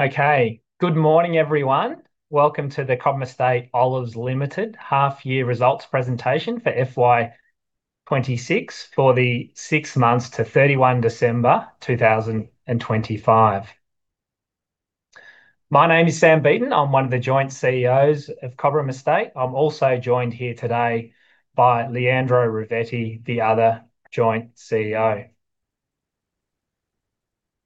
Okay. Good morning, everyone. Welcome to the Cobram Estate Olives Limited half year results presentation for FY 2026, for the six months to 31 December 2025. My name is Sam Beaton. I'm one of the joint CEOs of Cobram Estate. I'm also joined here today by Leandro Ravetti, the other joint CEO.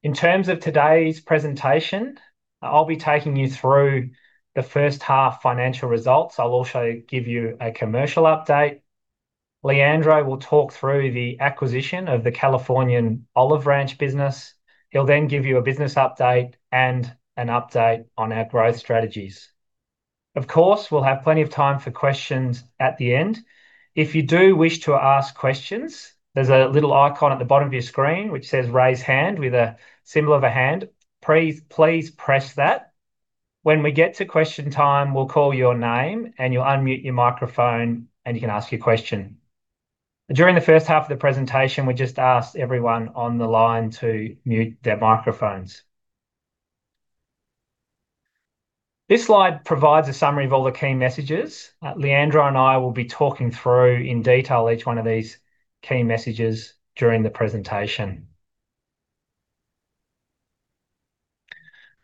In terms of today's presentation, I'll be taking you through the first half financial results. I'll also give you a commercial update. Leandro will talk through the acquisition of the California Olive Ranch business. He'll then give you a business update and an update on our growth strategies. Of course, we'll have plenty of time for questions at the end. If you do wish to ask questions, there's a little icon at the bottom of your screen which says Raise Hand with a symbol of a hand. Please, please press that. When we get to question time, we'll call your name, and you'll unmute your microphone, and you can ask your question. During the first half of the presentation, we just ask everyone on the line to mute their microphones. This slide provides a summary of all the key messages, Leandro and I will be talking through in detail each one of these key messages during the presentation.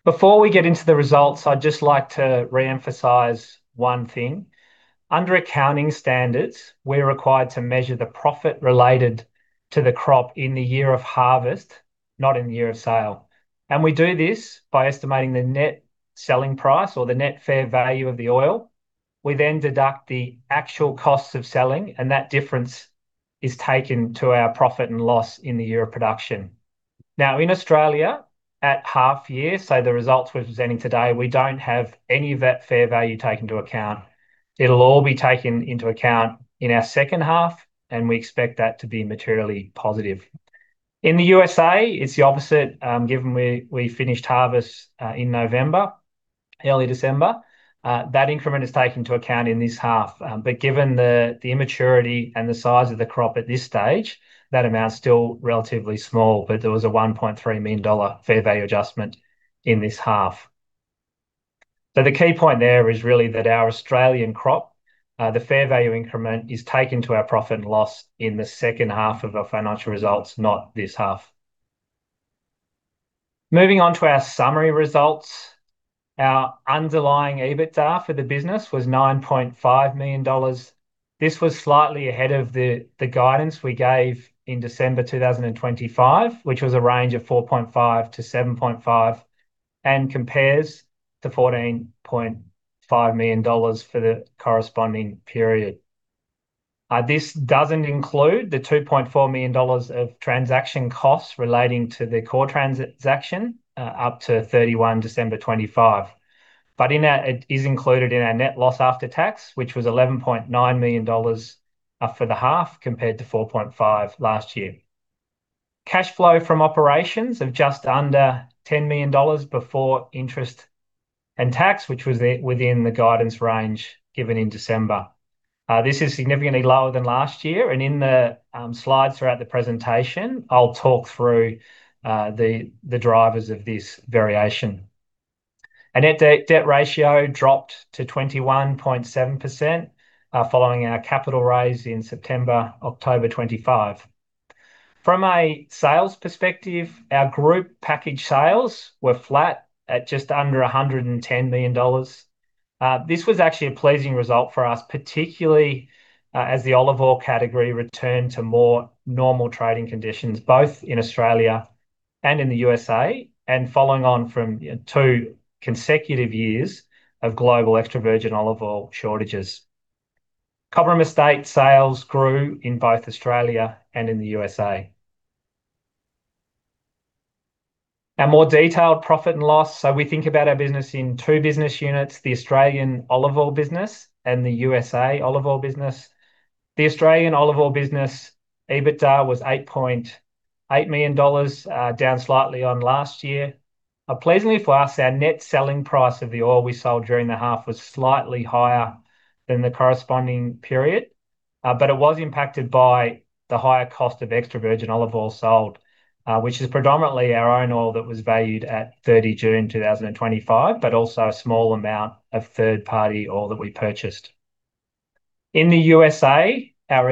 Before we get into the results, I'd just like to re-emphasize one thing: under accounting standards, we're required to measure the profit related to the crop in the year of harvest, not in the year of sale, and we do this by estimating the net selling price or the net fair value of the oil. We then deduct the actual costs of selling, and that difference is taken to our profit and loss in the year of production. Now, in Australia, at half year, so the results we're presenting today, we don't have any of that fair value taken into account. It'll all be taken into account in our second half, and we expect that to be materially positive. In the USA, it's the opposite, given we finished harvest in November, early December. That increment is taken into account in this half. But given the immaturity and the size of the crop at this stage, that amount is still relatively small, but there was a $1.3 million fair value adjustment in this half. So the key point there is really that our Australian crop, the fair value increment is taken to our profit and loss in the second half of our financial results, not this half. Moving on to our summary results. Our underlying EBITDA for the business was 9.5 million dollars. This was slightly ahead of the guidance we gave in December 2025, which was a range of 4.5 million-7.5 million and compares to 14.5 million dollars for the corresponding period. This doesn't include the 2.4 million dollars of transaction costs relating to the COR transaction up to 31 December 2025. But it is included in our net loss after tax, which was 11.9 million dollars for the half, compared to 4.5 million last year. Cash flow from operations of just under 10 million dollars before interest and tax, which was within the guidance range given in December. This is significantly lower than last year, and in the slides throughout the presentation, I'll talk through the drivers of this variation. Our net debt ratio dropped to 21.7%, following our capital raise in September-October 2025. From a sales perspective, our group package sales were flat at just under 110 million dollars. This was actually a pleasing result for us, particularly, as the olive oil category returned to more normal trading conditions, both in Australia and in the USA, and following on from two consecutive years of global extra virgin olive oil shortages. Cobram Estate sales grew in both Australia and in the USA. A more detailed profit and loss, so we think about our business in two business units: the Australian olive oil business and the USA olive oil business. The Australian olive oil business EBITDA was 8.8 million dollars, down slightly on last year. Pleasantly for us, our net selling price of the oil we sold during the half was slightly higher than the corresponding period, but it was impacted by the higher cost of extra virgin olive oil sold, which is predominantly our own oil that was valued at 30 June 2025, but also a small amount of third-party oil that we purchased. In the U.S., our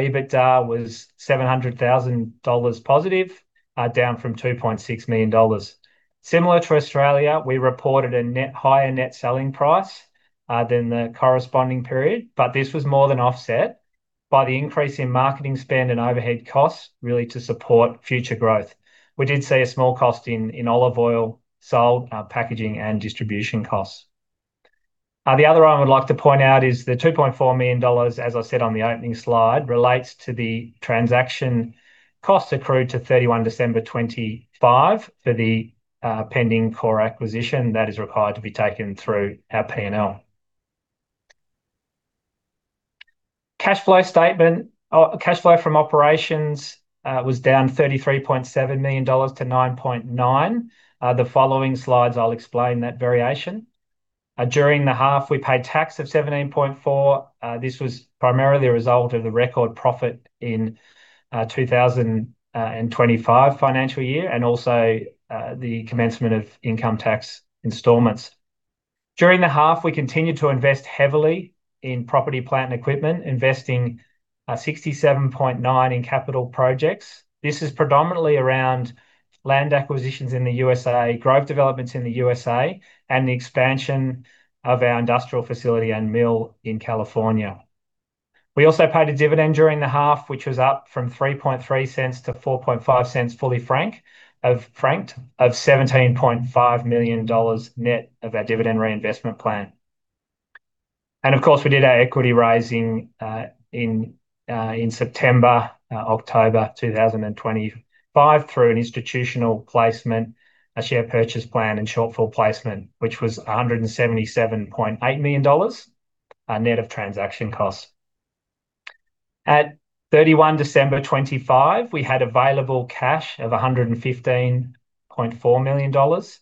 EBITDA was $700,000+, down from $2.6 million. Similar to Australia, we reported a higher net selling price than the corresponding period, but this was more than offset by the increase in marketing spend and overhead costs, really to support future growth. We did see a small cost in olive oil sold, packaging and distribution costs. The other item I'd like to point out is the 2.4 million dollars, as I said on the opening slide, relates to the transaction costs accrued to 31 December 2025 for the pending California Olive Ranch acquisition that is required to be taken through our P&L. Cash flow statement. Cash flow from operations was down 33.7 million dollars to 9.9 million. The following slides, I'll explain that variation... During the half, we paid tax of 17.4 million. This was primarily a result of the record profit in 2025 financial year, and also, the commencement of income tax installments. During the half, we continued to invest heavily in property, plant, and equipment, investing 67.9 in capital projects. This is predominantly around land acquisitions in the USA, growth developments in the USA, and the expansion of our industrial facility and mill in California. We also paid a dividend during the half, which was up from 0.033 to 0.045, fully franked of 17.5 million dollars net of our dividend reinvestment plan. Of course, we did our equity raising in September, October 2025, through an institutional placement, a share purchase plan, and shortfall placement, which was 177.8 million dollars net of transaction costs. At 31 December 2025, we had available cash of 115.4 million dollars.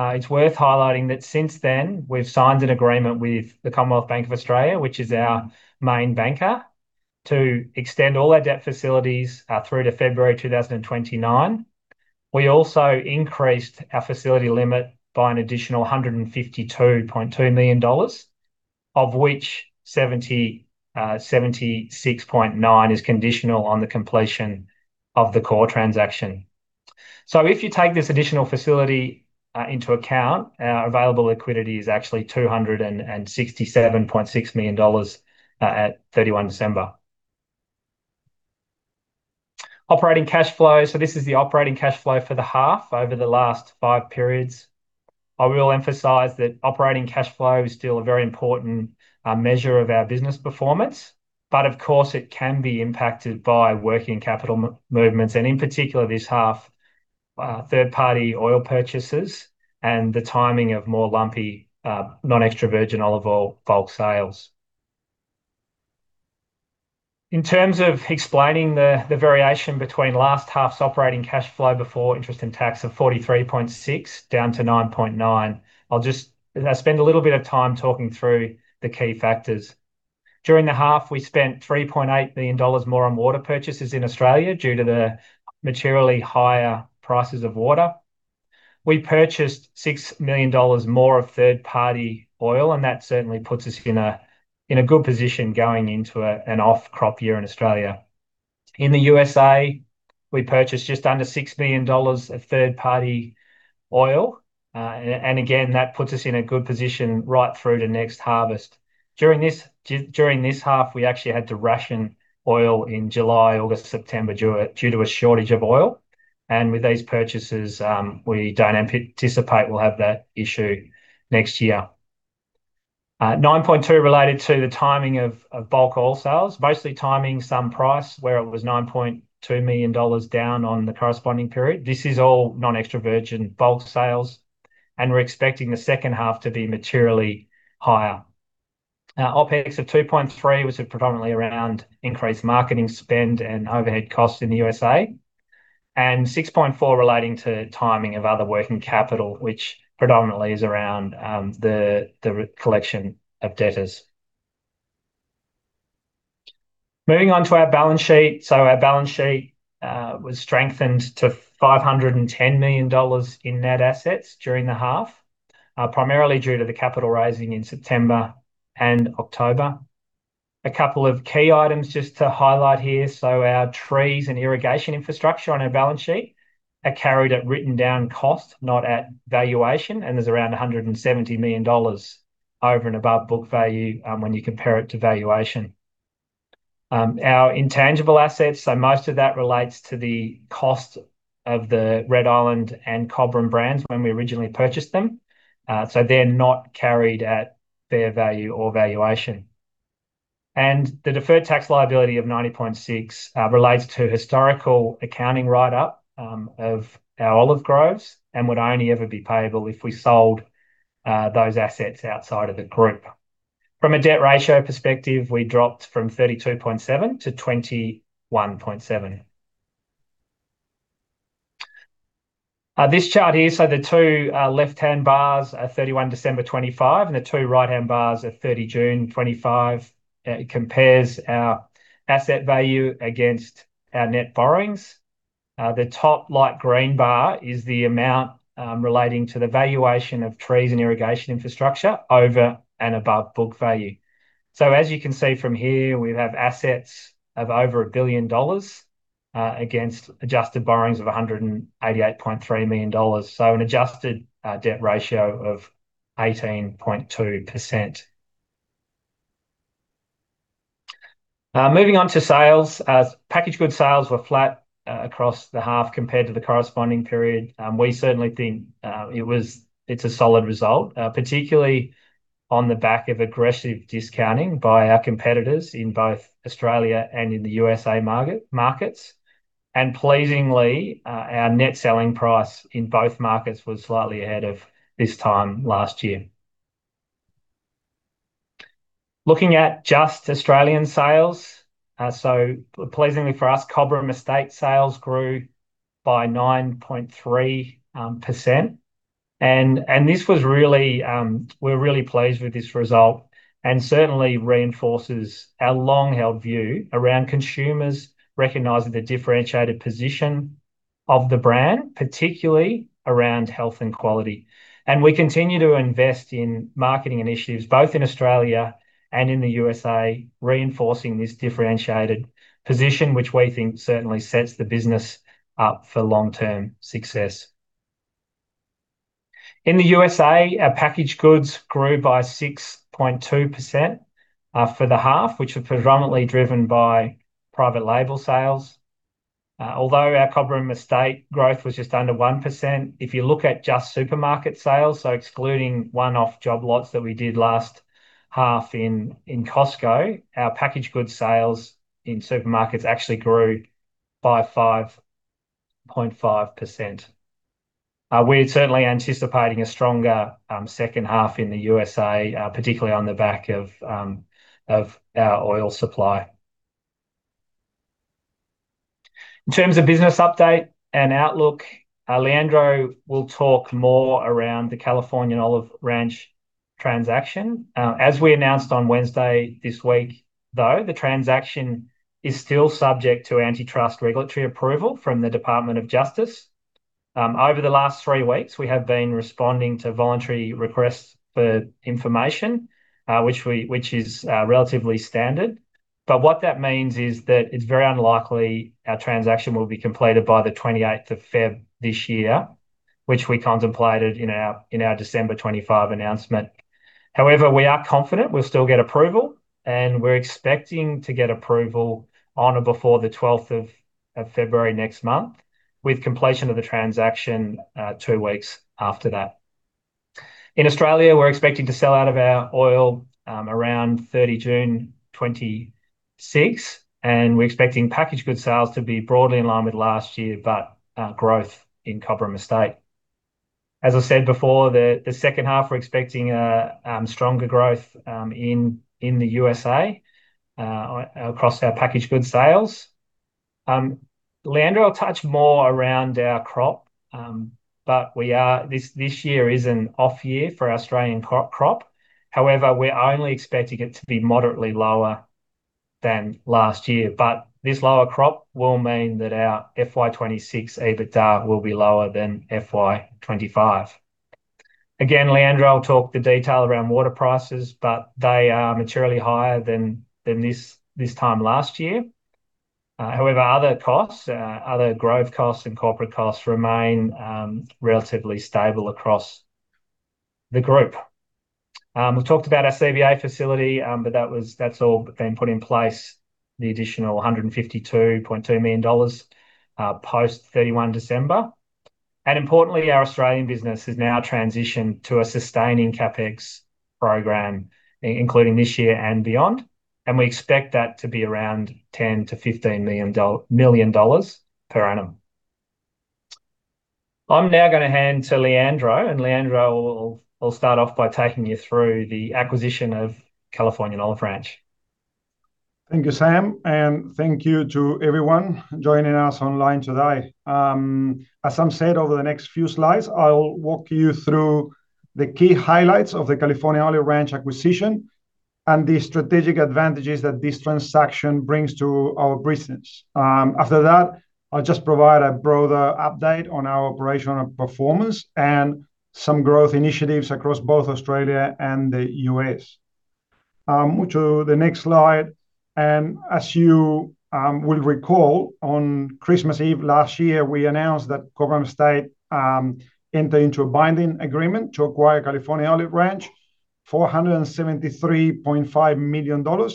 It's worth highlighting that since then, we've signed an agreement with the Commonwealth Bank of Australia, which is our main banker, to extend all our debt facilities through to February 2029. We also increased our facility limit by an additional 152.2 million dollars, of which 76.9 is conditional on the completion of the COR transaction. So if you take this additional facility into account, our available liquidity is actually 267.6 million dollars at 31 December. Operating cash flow. So this is the operating cash flow for the half over the last five periods. I will emphasize that operating cash flow is still a very important measure of our business performance, but of course, it can be impacted by working capital movements, and in particular, this half, third-party oil purchases and the timing of more lumpy non-extra virgin olive oil bulk sales. In terms of explaining the variation between last half's operating cash flow before interest and tax of 43.6 down to 9.9, I'll just spend a little bit of time talking through the key factors. During the half, we spent 3.8 million dollars more on water purchases in Australia due to the materially higher prices of water. We purchased 6 million dollars more of third-party oil, and that certainly puts us in a good position going into an off-crop year in Australia. In the USA, we purchased just under $6 million of third-party oil. And again, that puts us in a good position right through to next harvest. During this half, we actually had to ration oil in July, August, September, due to a shortage of oil, and with these purchases, we don't anticipate we'll have that issue next year. 9.2 related to the timing of bulk oil sales, mostly timing some price where it was $9.2 million down on the corresponding period. This is all non-extra virgin bulk sales, and we're expecting the second half to be materially higher. Now, OpEx of 2.3, was predominantly around increased marketing spend and overhead costs in the USA, and 6.4 relating to timing of other working capital, which predominantly is around the collection of debtors. Moving on to our balance sheet. So our balance sheet was strengthened to 510 million dollars in net assets during the half, primarily due to the capital raising in September and October. A couple of key items just to highlight here. So our trees and irrigation infrastructure on our balance sheet are carried at written-down cost, not at valuation, and there's around 170 million dollars over and above book value, when you compare it to valuation. Our intangible assets, so most of that relates to the cost of the Red Island and Cobram brands when we originally purchased them. So they're not carried at fair value or valuation. The deferred tax liability of 90.6 relates to historical accounting write-up of our olive groves, and would only ever be payable if we sold those assets outside of the group. From a debt ratio perspective, we dropped from 32.7 to 21.7. This chart here, so the two left-hand bars are 31 December 2025, and the two right-hand bars are 30 June 2025. It compares our asset value against our net borrowings. The top light green bar is the amount relating to the valuation of trees and irrigation infrastructure over and above book value. So as you can see from here, we have assets of over 1 billion dollars against adjusted borrowings of 188.3 million dollars, so an adjusted debt ratio of 18.2%. Moving on to sales. As packaged goods sales were flat across the half compared to the corresponding period, we certainly think it's a solid result, particularly on the back of aggressive discounting by our competitors in both Australia and in the USA markets. And pleasingly, our net selling price in both markets was slightly ahead of this time last year. Looking at just Australian sales, so pleasingly for us, Cobram Estate sales grew by 9.3%. and this was really, we're really pleased with this result, and certainly reinforces our long-held view around consumers recognizing the differentiated position of the brand, particularly around health and quality. And we continue to invest in marketing initiatives, both in Australia and in the USA, reinforcing this differentiated position, which we think certainly sets the business up for long-term success. In the USA, our packaged goods grew by 6.2% for the half, which was predominantly driven by private label sales. Although our Cobram Estate growth was just under 1%, if you look at just supermarket sales, so excluding one-off job lots that we did last half in Costco, our packaged goods sales in supermarkets actually grew by 5.5%. We're certainly anticipating a stronger second half in the USA, particularly on the back of our oil supply. In terms of business update and outlook, Leandro will talk more around the California Olive Ranch transaction. As we announced on Wednesday this week, though, the transaction is still subject to antitrust regulatory approval from the Department of Justice. Over the last three weeks, we have been responding to voluntary requests for information, which is relatively standard. But what that means is that it's very unlikely our transaction will be completed by the 28th of February this year, which we contemplated in our December 2025 announcement. However, we are confident we'll still get approval, and we're expecting to get approval on or before the 12th of February next month, with completion of the transaction two weeks after that. In Australia, we're expecting to sell out of our oil around 30 June 2026, and we're expecting packaged good sales to be broadly in line with last year, but growth in Cobram Estate. As I said before, the second half, we're expecting stronger growth in the USA across our packaged goods sales. Leandro will touch more around our crop, but we are, this year is an off year for our Australian crop. However, we're only expecting it to be moderately lower than last year. But this lower crop will mean that our FY 2026 EBITDA will be lower than FY 2025. Again, Leandro will talk the detail around water prices, but they are materially higher than, than this, this time last year. However, other costs, other growth costs and corporate costs remain, relatively stable across the group. We've talked about our CBA facility, but that was-- that's all been put in place, the additional 152.2 million dollars, post thirty-one December. Importantly, our Australian business has now transitioned to a sustaining CapEx program, including this year and beyond, and we expect that to be around 10 million-15 million dollars per annum. I'm now gonna hand to Leandro, and Leandro will, will start off by taking you through the acquisition of California Olive Ranch. Thank you, Sam, and thank you to everyone joining us online today. As Sam said, over the next few slides, I'll walk you through the key highlights of the California Olive Ranch acquisition and the strategic advantages that this transaction brings to our business. After that, I'll just provide a broader update on our operational performance and some growth initiatives across both Australia and the U.S. Move to the next slide, and as you will recall, on Christmas Eve last year, we announced that Cobram Estate entered into a binding agreement to acquire California Olive Ranch, $473.5 million,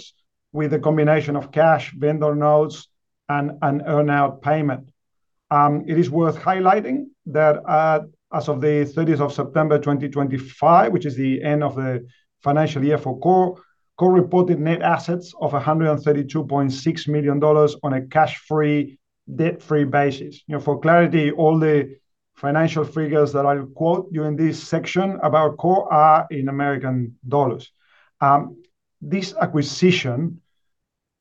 with a combination of cash, vendor notes, and an earn-out payment. It is worth highlighting that, as of the thirtieth of September 2025, which is the end of the financial year for COR, COR reported net assets of $132.6 million on a cash-free, debt-free basis. You know, for clarity, all the financial figures that I'll quote during this section about COR are in American dollars. This acquisition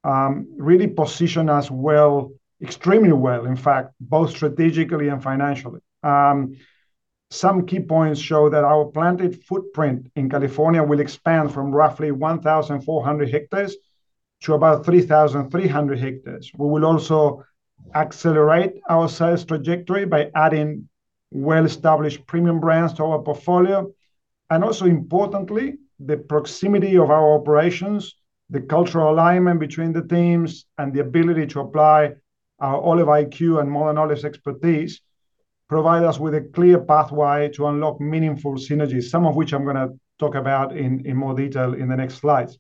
really position us well, extremely well, in fact, both strategically and financially. Some key points show that our planted footprint in California will expand from roughly 1,400 hectares to about 3,300 hectares. We will also accelerate our sales trajectory by adding well-established premium brands to our portfolio, and also importantly, the proximity of our operations, the cultural alignment between the teams, and the ability to apply our Oliv.iQ and more than olive expertise, provide us with a clear pathway to unlock meaningful synergies, some of which I'm gonna talk about in, in more detail in the next slides.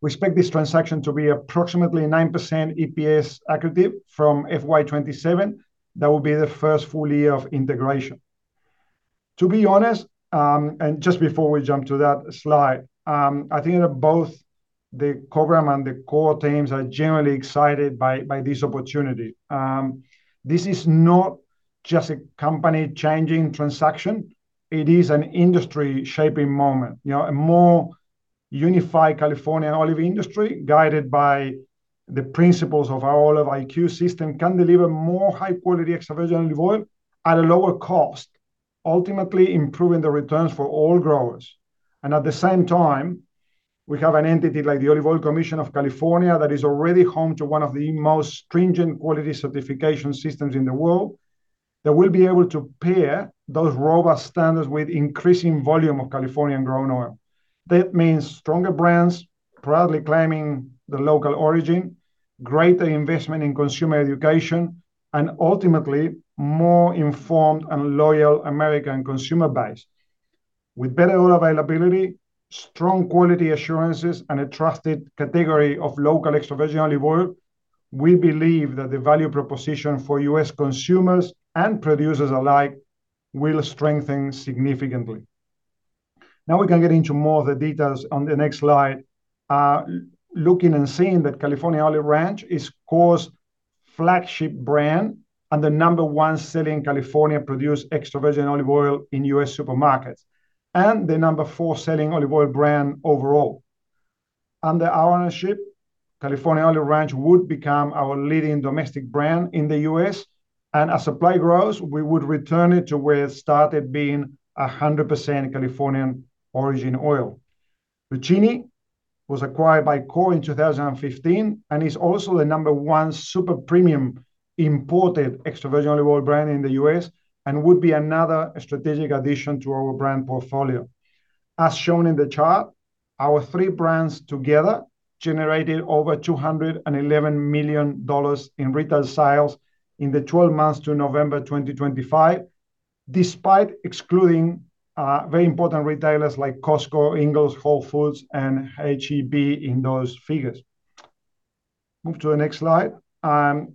We expect this transaction to be approximately 9% EPS accretive from FY 2027. That will be the first full year of integration. To be honest, and just before we jump to that slide, I think that the Cobram and the COR teams are generally excited by this opportunity. This is not just a company-changing transaction, it is an industry-shaping moment. You know, a more unified California olive industry, guided by the principles of our Oliv.iQ system, can deliver more high-quality extra virgin olive oil at a lower cost, ultimately improving the returns for all growers. At the same time, we have an entity like the Olive Oil Commission of California that is already home to one of the most stringent quality certification systems in the world, that will be able to pair those robust standards with increasing volume of Californian-grown oil. That means stronger brands, proudly claiming the local origin, greater investment in consumer education, and ultimately, more informed and loyal American consumer base. With better oil availability, strong quality assurances, and a trusted category of local extra virgin olive oil, we believe that the value proposition for U.S. consumers and producers alike will strengthen significantly. Now, we can get into more of the details on the next slide. Looking and seeing that California Olive Ranch is COR's flagship brand, and the number 1 selling California-produced extra virgin olive oil in U.S. supermarkets, and the number 4 selling olive oil brand overall. Under our ownership, California Olive Ranch would become our leading domestic brand in the U.S., and as supply grows, we would return it to where it started, being a 100% Californian origin oil. Lucini was acquired by COR in 2015, and is also the number 1 super premium imported extra virgin olive oil brand in the U.S., and would be another strategic addition to our brand portfolio. As shown in the chart, our three brands together generated over $211 million in retail sales in the 12 months to November 2025, despite excluding very important retailers like Costco, Ingles, Whole Foods, and H-E-B in those figures. Move to the next slide,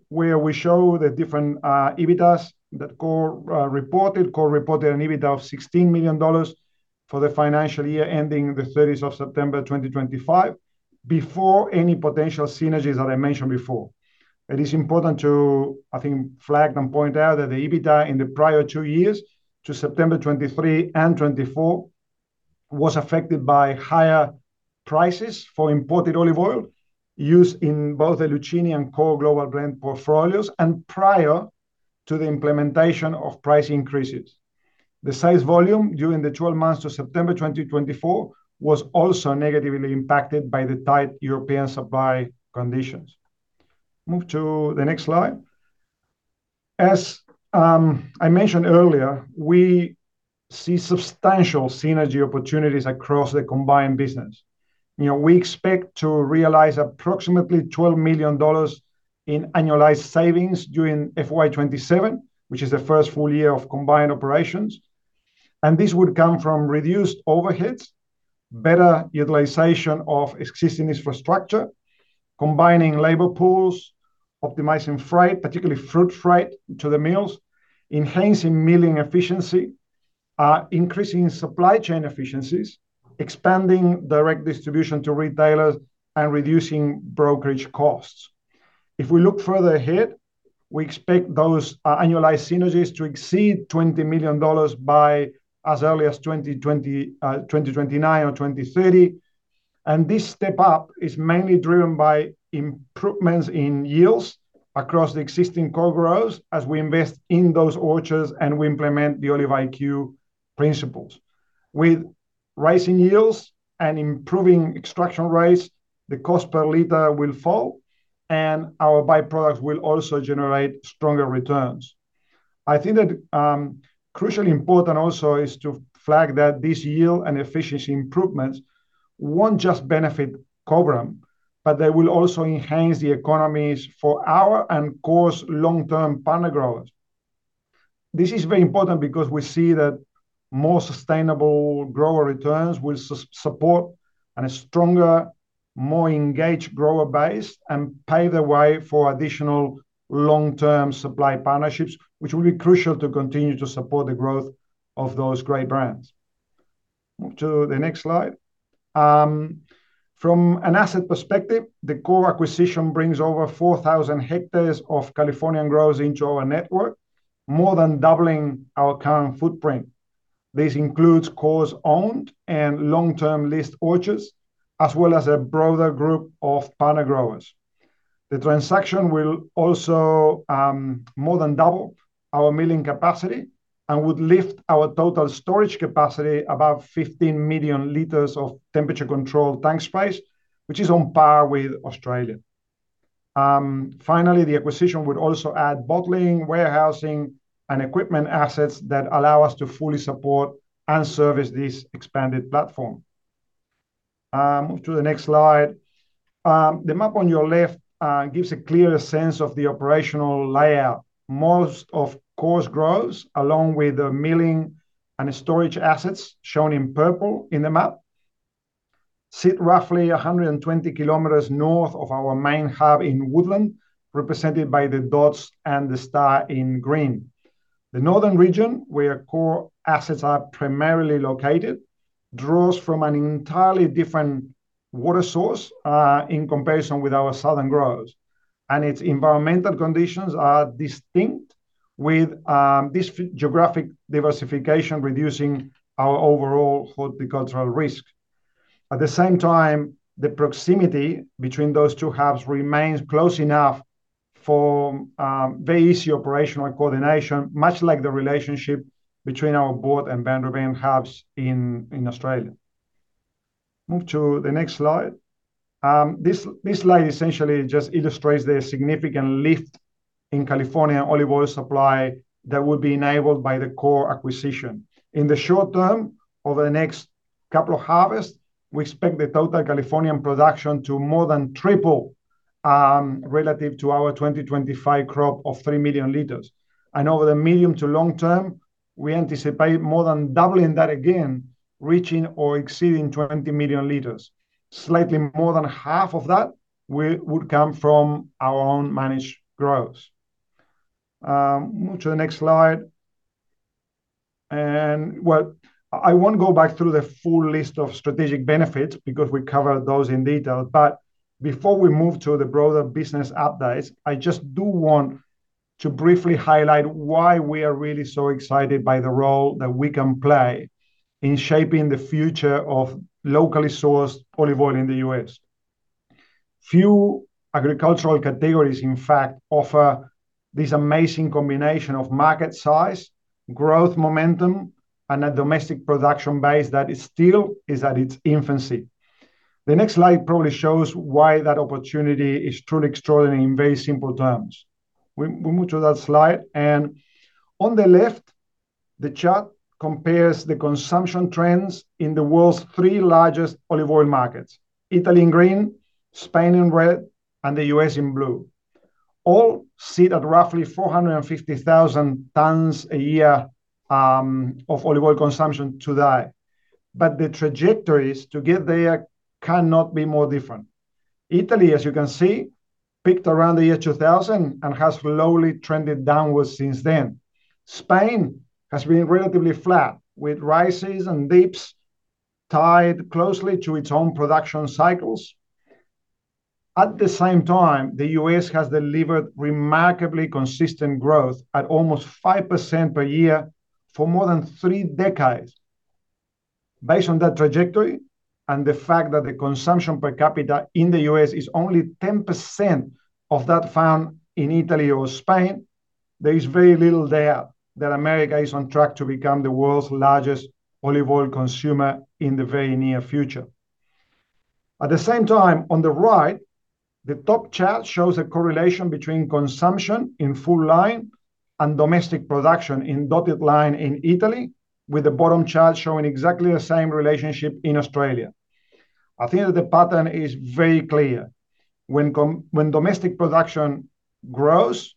where we show the different EBITDAs that COR reported. COR reported an EBITDA of $16 million for the financial year ending the thirtieth of September 2025, before any potential synergies that I mentioned before. It is important to, I think, flag and point out that the EBITDA in the prior two years to September 2023 and 2024 was affected by higher prices for imported olive oil used in both the Lucini and COR global brand portfolios, and prior to the implementation of price increases. The sales volume during the 12 months to September 2024 was also negatively impacted by the tight European supply conditions. Move to the next slide. As I mentioned earlier, we see substantial synergy opportunities across the combined business. You know, we expect to realize approximately $12 million in annualized savings during FY 2027, which is the first full year of combined operations, and this would come from reduced overheads, better utilization of existing infrastructure, combining labor pools, optimizing freight, particularly fruit freight to the mills, enhancing milling efficiency, increasing supply chain efficiencies, expanding direct distribution to retailers, and reducing brokerage costs. If we look further ahead, we expect those annualized synergies to exceed $20 million by as early as 2029 or 2030. This step up is mainly driven by improvements in yields across the existing COR as we invest in those orchards and we implement the Oliv.iQ principles. With rising yields and improving extraction rates, the cost per liter will fall, and our byproducts will also generate stronger returns. I think that, crucially important also is to flag that this yield and efficiency improvements won't just benefit Cobram, but they will also enhance the economies for our and COR's long-term partner growers. This is very important because we see that more sustainable grower returns will support and a stronger, more engaged grower base, and pave the way for additional long-term supply partnerships, which will be crucial to continue to support the growth of those great brands. Move to the next slide. From an asset perspective, the COR acquisition brings over 4,000 hectares of Californian growers into our network, more than doubling our current footprint. This includes COR's owned and long-term leased orchards, as well as a broader group of partner growers. The transaction will also more than double our milling capacity and would lift our total storage capacity above 15 million liters of temperature-controlled tank space, which is on par with Australia. Finally, the acquisition would also add bottling, warehousing, and equipment assets that allow us to fully support and service this expanded platform. Move to the next slide. The map on your left gives a clearer sense of the operational layout. Most of COR's growers, along with the milling and storage assets, shown in purple in the map, sit roughly 120 kilometers north of our main hub in Woodland, represented by the dots and the star in green. The northern region, where COR assets are primarily located, draws from an entirely different water source in comparison with our southern groves. And its environmental conditions are distinct with this geographic diversification, reducing our overall horticultural risk. At the same time, the proximity between those two hubs remains close enough for very easy operational coordination, much like the relationship between our Boort and Bendigo hubs in Australia. Move to the next slide. This slide essentially just illustrates the significant lift in California olive oil supply that will be enabled by the COR acquisition. In the short term, over the next couple of harvests, we expect the total Californian production to more than triple, relative to our 2025 crop of 3 million liters. And over the medium to long term, we anticipate more than doubling that again, reaching or exceeding 20 million liters. Slightly more than half of that would come from our own managed groves. Move to the next slide. And well, I won't go back through the full list of strategic benefits because we covered those in detail. But before we move to the broader business updates, I just do want to briefly highlight why we are really so excited by the role that we can play in shaping the future of locally sourced olive oil in the U.S. Few agricultural categories, in fact, offer this amazing combination of market size, growth, momentum, and a domestic production base that is still at its infancy. The next slide probably shows why that opportunity is truly extraordinary in very simple terms. We move to that slide, and on the left, the chart compares the consumption trends in the world's three largest olive oil markets: Italy in green, Spain in red, and the U.S. in blue. All sit at roughly 450,000 tons a year of olive oil consumption today, but the trajectories to get there cannot be more different. Italy, as you can see, peaked around the year 2000 and has slowly trended downwards since then. Spain has been relatively flat, with rises and dips tied closely to its own production cycles. At the same time, the U.S has delivered remarkably consistent growth at almost 5% per year for more than three decades. Based on that trajectory, and the fact that the consumption per capita in the US is only 10% of that found in Italy or Spain, there is very little doubt that America is on track to become the world's largest olive oil consumer in the very near future. At the same time, on the right, the top chart shows a correlation between consumption in full line and domestic production in dotted line in Italy, with the bottom chart showing exactly the same relationship in Australia. I think that the pattern is very clear. When domestic production grows,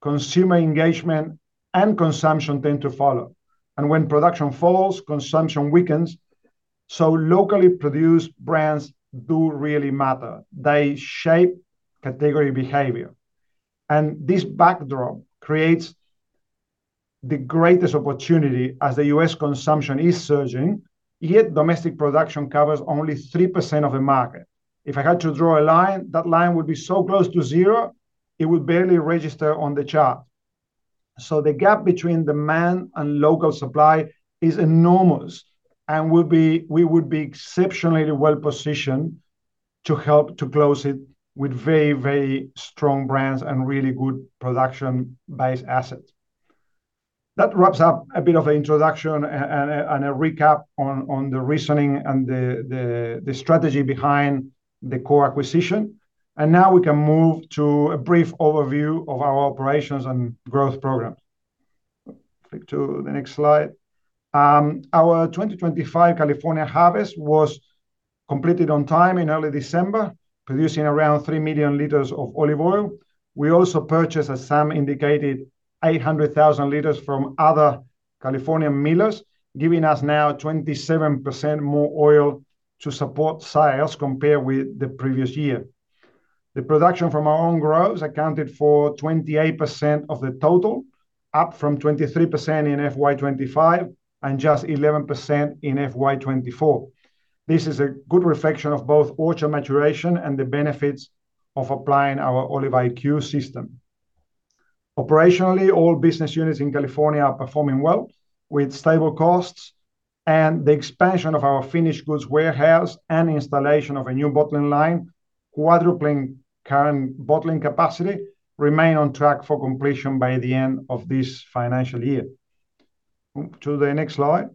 consumer engagement and consumption tend to follow, and when production falls, consumption weakens. So locally produced brands do really matter. They shape category behavior, and this backdrop creates the greatest opportunity as the U.S. consumption is surging, yet domestic production covers only 3% of the market. If I had to draw a line, that line would be so close to zero, it would barely register on the chart. So the gap between demand and local supply is enormous, and we would be exceptionally well positioned to help to close it with very, very strong brands and really good production-based assets. That wraps up a bit of an introduction and a recap on the reasoning and the strategy behind the COR acquisition. And now we can move to a brief overview of our operations and growth programs. Click to the next slide. Our 2025 California harvest was completed on time in early December, producing around 3 million liters of olive oil. We also purchased, as Sam indicated, 800,000 liters from other California millers, giving us now 27% more oil to support sales compared with the previous year. The production from our own groves accounted for 28% of the total, up from 23% in FY 2025 and just 11% in FY 2024. This is a good reflection of both orchard maturation and the benefits of applying our Oliv.iQ system. Operationally, all business units in California are performing well, with stable costs and the expansion of our finished goods warehouse and installation of a new bottling line, quadrupling current bottling capacity remain on track for completion by the end of this financial year. Move to the next slide.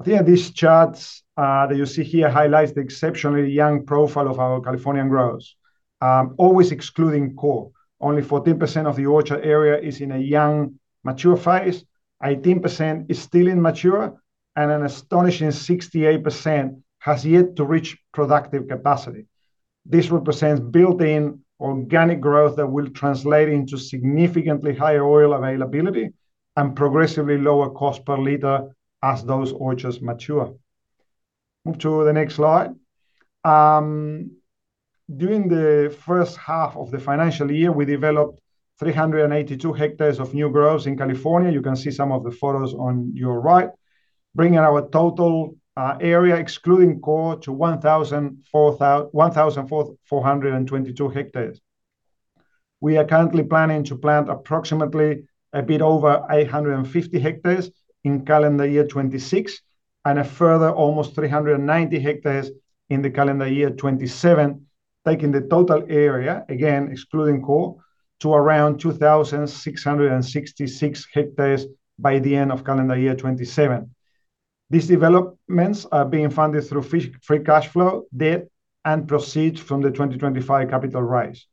I think these charts that you see here highlights the exceptionally young profile of our Californian groves. Always excluding COR. Only 14% of the orchard area is in a young, mature phase, 18% is still immature, and an astonishing 68% has yet to reach productive capacity. This represents built-in organic growth that will translate into significantly higher oil availability and progressively lower cost per liter as those orchards mature. Move to the next slide. During the first half of the financial year, we developed 382 hectares of new groves in California. You can see some of the photos on your right, bringing our total area, excluding COR, to 1,422 hectares. We are currently planning to plant approximately a bit over 850 hectares in calendar year 2026, and a further almost 390 hectares in the calendar year 2027, taking the total area, again, excluding COR, to around 2,666 hectares by the end of calendar year 2027. These developments are being funded through free cash flow, debt, and proceeds from the 2025 capital raise.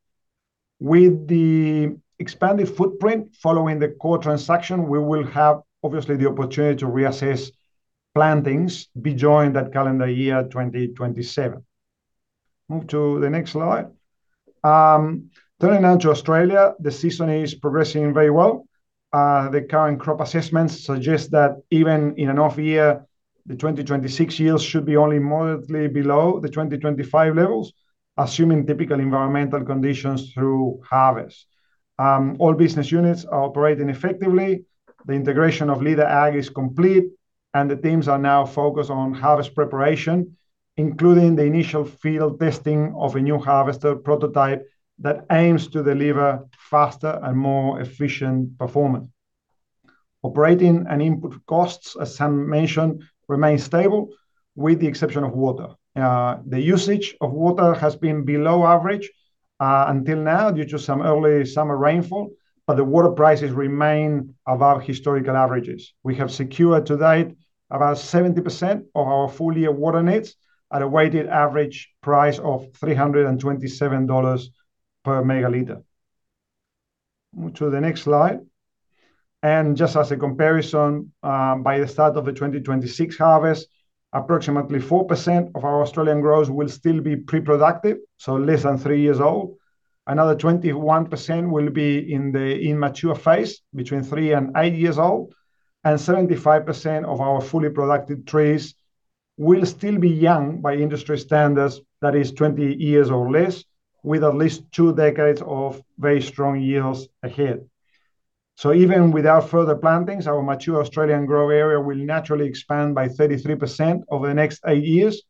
With the expanded footprint following the COR transaction, we will have, obviously, the opportunity to reassess plantings beyond that calendar year 2027. Move to the next slide. Turning now to Australia, the season is progressing very well. The current crop assessments suggest that even in an off year, the 2026 yields should be only moderately below the 2025 levels, assuming typical environmental conditions through harvest. All business units are operating effectively. The integration of Leda Ag is complete, and the teams are now focused on harvest preparation, including the initial field testing of a new harvester prototype that aims to deliver faster and more efficient performance. Operating and input costs, as Sam mentioned, remain stable, with the exception of water. The usage of water has been below average until now, due to some early summer rainfall, but the water prices remain above historical averages. We have secured to date about 70% of our full year water needs at a weighted average price of 327 dollars per megaliter. Move to the next slide. Just as a comparison, by the start of the 2026 harvest, approximately 4% of our Australian groves will still be pre-productive, so less than three years old. Another 21% will be in the immature phase, between 3 and 8 years old, and 75% of our fully productive trees will still be young by industry standards, that is 20 years or less, with at least two decades of very strong yields ahead. So even without further plantings, our mature Australian grove area will naturally expand by 33% over the next 8 years,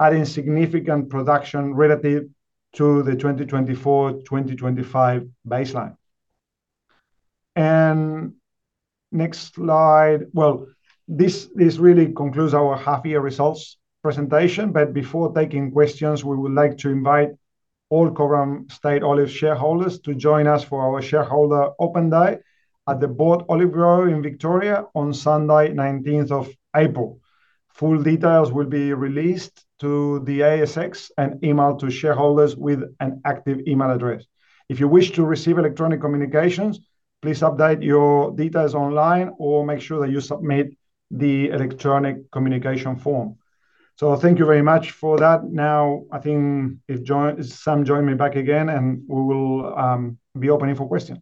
adding significant production relative to the 2024/2025 baseline. Next slide. Well, this really concludes our half year results presentation, but before taking questions, we would like to invite all Cobram Estate Olives shareholders to join us for our shareholder open day at the Boort Olive Grove in Victoria on Sunday, nineteenth of April. Full details will be released to the ASX and emailed to shareholders with an active email address. If you wish to receive electronic communications, please update your details online or make sure that you submit the electronic communication form. So thank you very much for that. Now, I think if Sam joined me back again, and we will be opening for questions.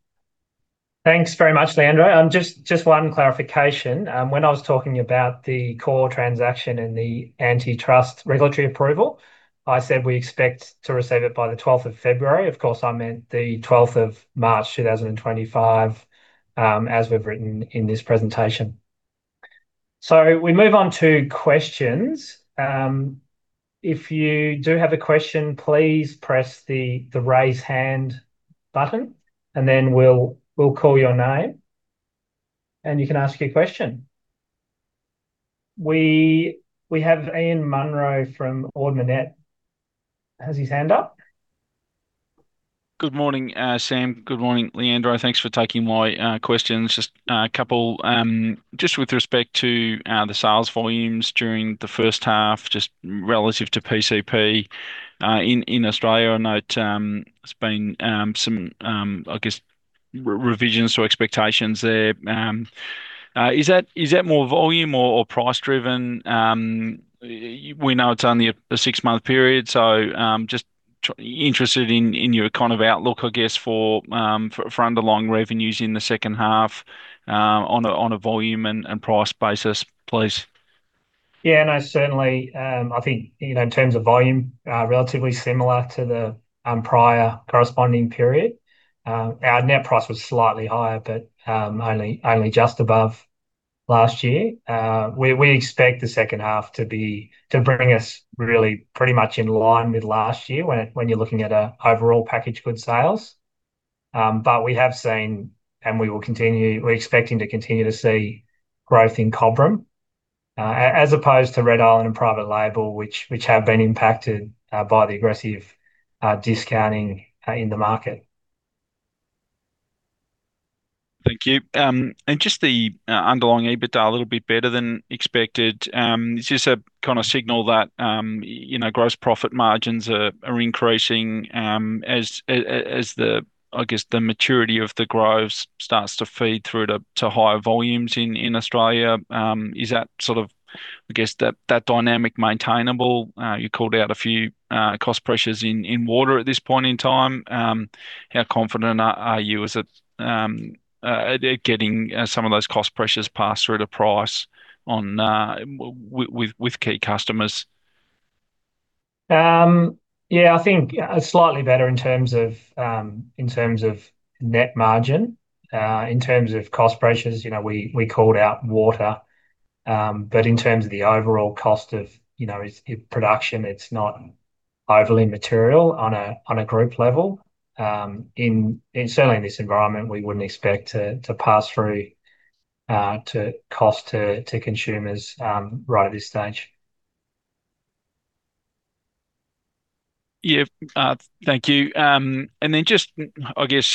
Thanks very much, Leandro. Just one clarification. When I was talking about the COR transaction and the antitrust regulatory approval, I said we expect to receive it by the twelfth of February. Of course, I meant the twelfth of March, two thousand and twenty-five, as we've written in this presentation. So we move on to questions. If you do have a question, please press the raise hand button, and then we'll call your name, and you can ask your question. We have Ian Munro from Ord Minnett, has his hand up. Good morning, Sam. Good morning, Leandro. Thanks for taking my questions. Just a couple just with respect to the sales volumes during the first half, just relative to PCP in Australia, I note there's been some I guess revisions to expectations there. Is that more volume or price driven? We know it's only a six-month period, so just interested in your kind of outlook, I guess, for underlying revenues in the second half, on a volume and price basis, please. Yeah, no, certainly, I think, you know, in terms of volume, relatively similar to the, prior corresponding period. Our net price was slightly higher, but, only, only just above last year. We, we expect the second half to be, to bring us really pretty much in line with last year, when, when you're looking at, overall packaged goods sales. But we have seen, and we will continue... We're expecting to continue to see growth in Cobram, as opposed to Red Island and private label, which, which have been impacted, by the aggressive, discounting, in the market. Thank you. Just the underlying EBITDA a little bit better than expected. It's just a kind of signal that, you know, gross profit margins are increasing, as the, I guess, the maturity of the groves starts to feed through to higher volumes in Australia. Is that sort of, I guess, that dynamic maintainable? You called out a few cost pressures in water at this point in time. How confident are you as at, at getting some of those cost pressures passed through to price on, with key customers? Yeah, I think, yeah, slightly better in terms of, in terms of net margin. In terms of cost pressures, you know, we, we called out water. But in terms of the overall cost of, you know, production, it's not overly material on a, on a group level. And certainly in this environment, we wouldn't expect to pass through to cost to consumers, right at this stage. Yeah. Thank you. And then just, I guess,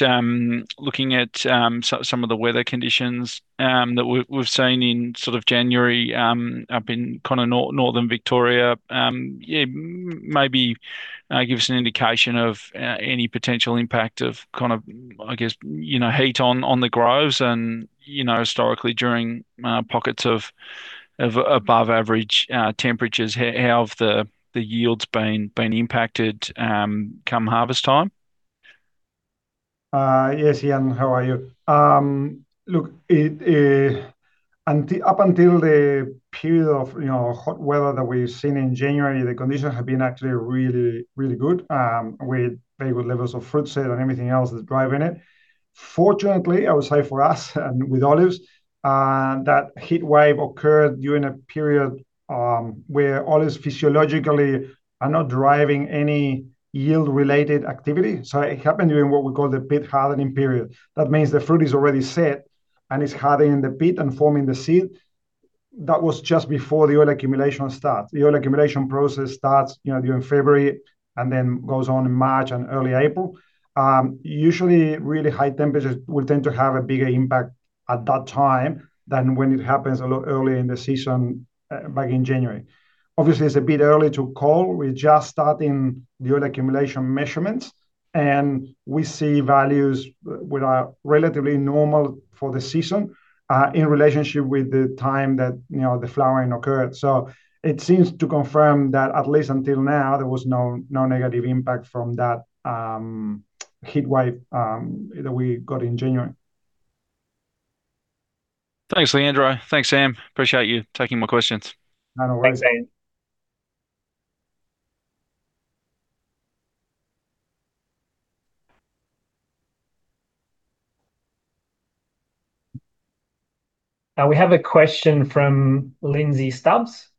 looking at, so some of the weather conditions that we've seen in sort of January, up in kind of northern Victoria. Yeah, maybe, give us an indication of any potential impact of kind of, I guess, you know, heat on the groves and, you know, historically, during pockets of above average temperatures, how have the yields been impacted come harvest time? Yes, Ian, how are you? Look, up until the period of, you know, hot weather that we've seen in January, the conditions have been actually really, really good, with very good levels of fruit set and everything else that's driving it. Fortunately, I would say for us, and with olives, that heat wave occurred during a period, where olives physiologically are not driving any yield-related activity. So it happened during what we call the pit hardening period. That means the fruit is already set, and it's hardening the pit and forming the seed. That was just before the oil accumulation starts. The oil accumulation process starts, you know, during February and then goes on in March and early April. Usually, really high temperatures will tend to have a bigger impact at that time than when it happens a lot earlier in the season, back in January. Obviously, it's a bit early to call. We're just starting the oil accumulation measurements, and we see values which are relatively normal for the season, in relationship with the time that, you know, the flowering occurred. So it seems to confirm that, at least until now, there was no, no negative impact from that, heat wave, that we got in January. Thanks, Leandro. Thanks, Sam. Appreciate you taking my questions. No worries. Thanks, Ian. We have a question from Lindsay Stubbs.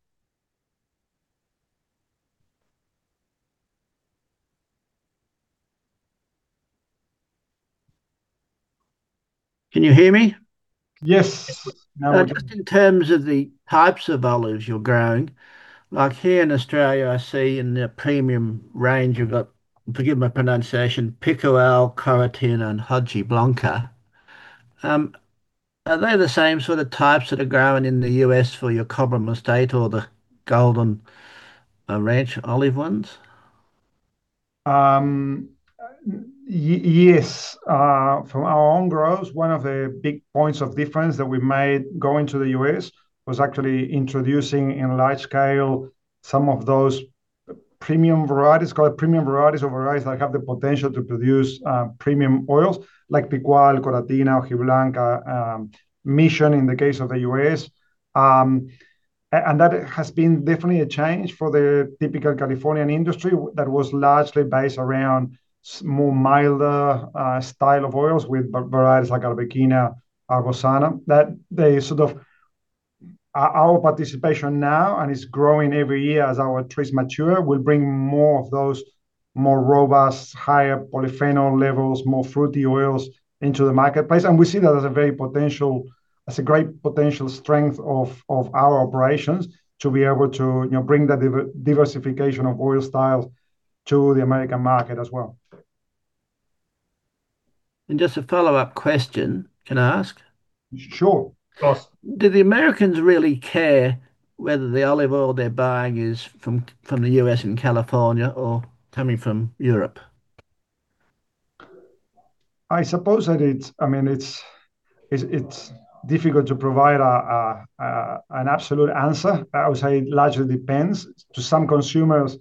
Can you hear me? Yes. Now- Just in terms of the types of olives you're growing, like here in Australia, I see in the premium range, you've got, forgive my pronunciation, Picual, Coratina, and Hojiblanca. Are they the same sort of types that are grown in the U.S. for your Cobram Estate or the California Olive Ranch olive ones? Yes. From our own groves, one of the big points of difference that we made going to the U.S. was actually introducing in large scale some of those premium varieties, called premium varieties, or varieties that have the potential to produce premium oils, like Picual, Coratina, Hojiblanca, Mission, in the case of the U.S. And that has been definitely a change for the typical Californian industry that was largely based around more milder style of oils with varieties like Arbequina, Arbosana, that they sort of... Our participation now, and it's growing every year as our trees mature, will bring more of those more robust, higher polyphenol levels, more fruity oils into the marketplace, and we see that as a very potential, as a great potential strength of our operations to be able to, you know, bring that diversification of oil styles to the American market as well. Just a follow-up question, can I ask? Sure, of course. Do the Americans really care whether the olive oil they're buying is from the U.S. and California or coming from Europe? I suppose that it's I mean, it's difficult to provide a an absolute answer. I would say it largely depends. To some consumers,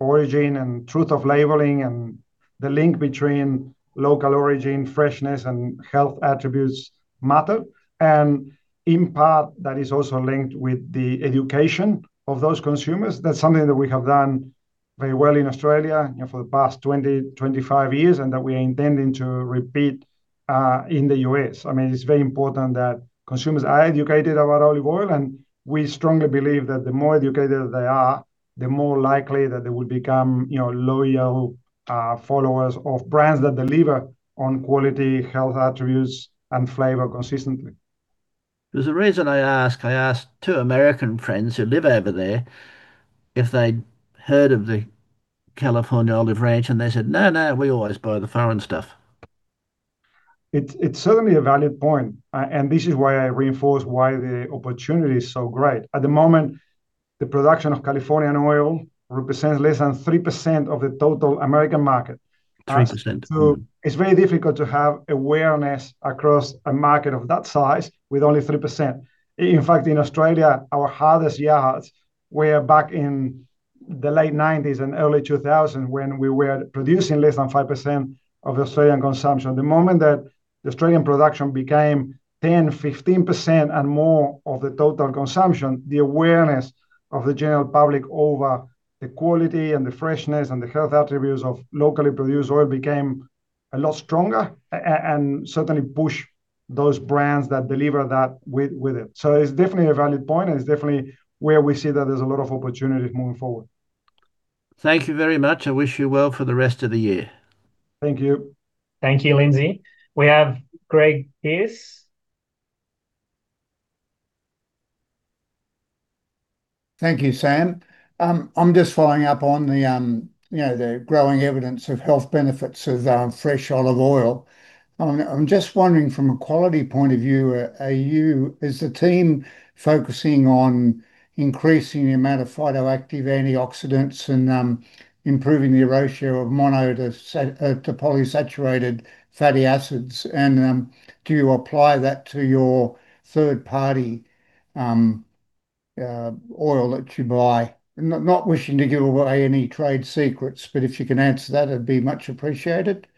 origin and truth of labeling and the link between local origin, freshness, and health attributes matter, and in part, that is also linked with the education of those consumers. That's something that we have done very well in Australia, you know, for the past 25 years, and that we are intending to repeat in the U.S. I mean, it's very important that consumers are educated about olive oil, and we strongly believe that the more educated they are, the more likely that they will become, you know, loyal followers of brands that deliver on quality, health attributes, and flavor consistently. There's a reason I ask. I asked two American friends who live over there if they'd heard of the California Olive Ranch, and they said, "No, no, we always buy the foreign stuff. It's certainly a valid point, and this is why I reinforce why the opportunity is so great. At the moment, the production of Californian oil represents less than 3% of the total American market. Three percent. So it's very difficult to have awareness across a market of that size with only 3%. In fact, in Australia, our hardest yards were back in the late 1990s and early 2000, when we were producing less than 5% of Australian consumption. The moment that the Australian production became 10%, 15% and more of the total consumption, the awareness of the general public over the quality and the freshness and the health attributes of locally produced oil became a lot stronger, and certainly push those brands that deliver that with, with it. So it's definitely a valid point, and it's definitely where we see that there's a lot of opportunity moving forward. Thank you very much. I wish you well for the rest of the year. Thank you. Thank you, Lindsay. We have Greg Pearce. Thank you, Sam. I'm just following up on the, you know, the growing evidence of health benefits of, fresh olive oil. I'm just wondering, from a quality point of view, are you, is the team focusing on increasing the amount of phytoactive antioxidants and, improving the ratio of mono to polyunsaturated fatty acids? And, do you apply that to your third-party, oil that you buy? Not, not wishing to give away any trade secrets, but if you can answer that, it'd be much appreciated.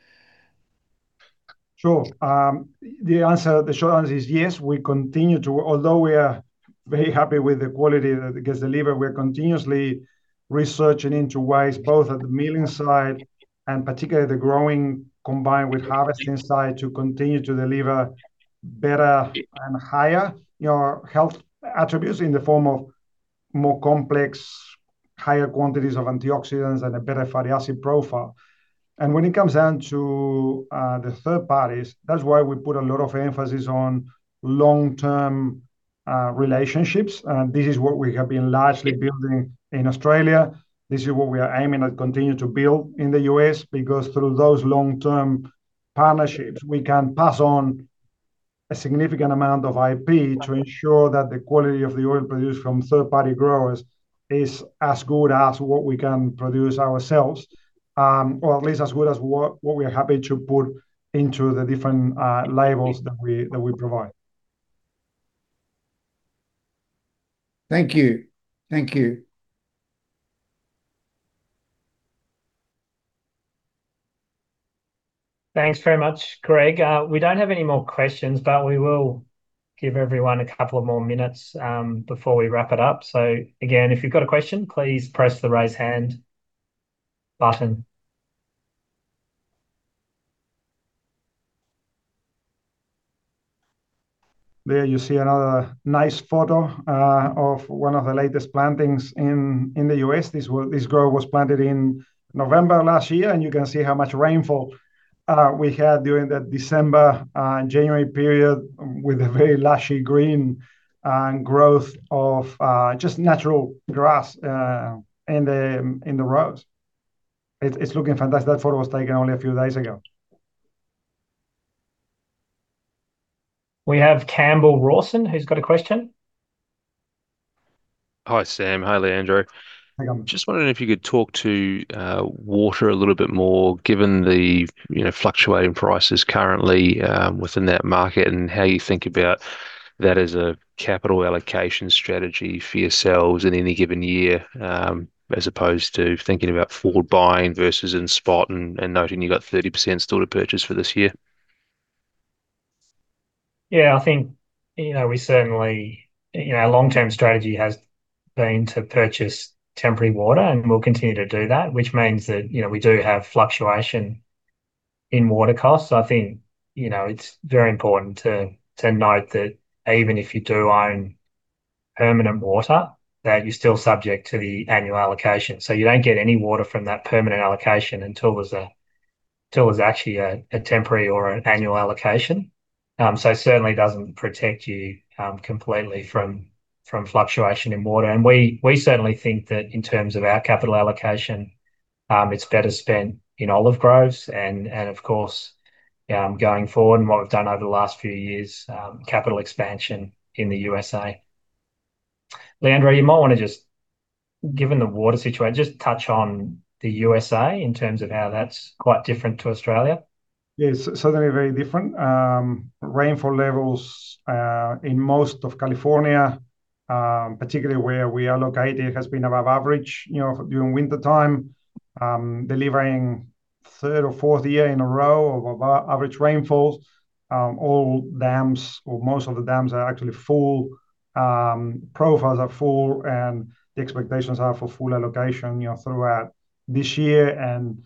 Sure. The answer, the short answer is yes, we continue to... Although we are very happy with the quality that it gets delivered, we're continuously researching into ways, both at the milling side and particularly the growing combined with harvesting side, to continue to deliver better and higher, your health attributes in the form of more complex, higher quantities of antioxidants and a better fatty acid profile. And when it comes down to, the third parties, that's why we put a lot of emphasis on long-term, relationships, and this is what we have been largely building in Australia. This is what we are aiming to continue to build in the U.S., because through those long-term partnerships, we can pass on a significant amount of IP to ensure that the quality of the oil produced from third-party growers is as good as what we can produce ourselves, or at least as good as what we are happy to put into the different labels that we provide. Thank you. Thank you. Thanks very much, Greg. We don't have any more questions, but we will give everyone a couple of more minutes before we wrap it up. So again, if you've got a question, please press the Raise Hand button. There you see another nice photo of one of the latest plantings in the U.S. This grove was planted in November last year, and you can see how much rainfall we had during that December and January period, with a very lush green, and growth of just natural grass in the rows. It's looking fantastic. That photo was taken only a few days ago. We have Campbell Rawson, who's got a question. Hi, Sam. Hi, Leandro. Hi, Campbell. Just wondering if you could talk to water a little bit more, given the, you know, fluctuating prices currently within that market and how you think about that as a capital allocation strategy for yourselves in any given year, as opposed to thinking about forward buying versus in spot and noting you got 30% still to purchase for this year. Yeah, I think, you know, we certainly, you know, our long-term strategy has been to purchase temporary water, and we'll continue to do that, which means that, you know, we do have fluctuation in water costs. So I think, you know, it's very important to note that even if you do own permanent water, that you're still subject to the annual allocation. So you don't get any water from that permanent allocation until there's actually a temporary or an annual allocation. So it certainly doesn't protect you completely from fluctuation in water. And we certainly think that in terms of our capital allocation, it's better spent in olive groves and of course going forward and what we've done over the last few years, capital expansion in the USA. Leandro, you might want to just, given the water situation, just touch on the USA in terms of how that's quite different to Australia. Yeah, it's certainly very different. Rainfall levels in most of California, particularly where we are located, has been above average, you know, during wintertime, delivering third or fourth year in a row of above average rainfalls. All dams or most of the dams are actually full, profiles are full, and the expectations are for full allocation, you know, throughout this year. And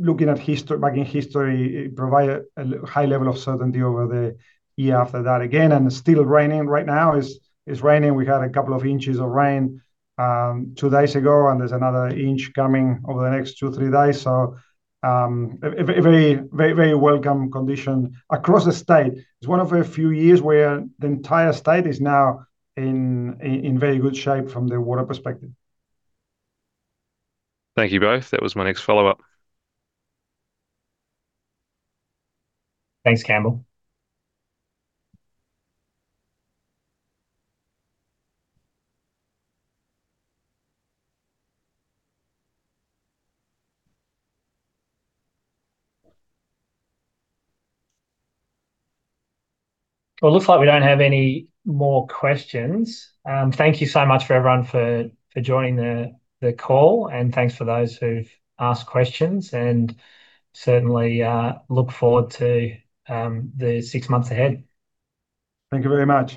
looking at history, back in history, it provide a high level of certainty over the year after that again. And it's still raining, right now is raining. We had a couple of inches of rain two days ago, and there's another inch coming over the next two, three days. So, a very, very, very welcome condition across the state. It's one of the few years where the entire state is now in very good shape from the water perspective. Thank you both. That was my next follow-up. Thanks, Campbell. Well, it looks like we don't have any more questions. Thank you so much for everyone for joining the call, and thanks for those who've asked questions and certainly look forward to the six months ahead. Thank you very much.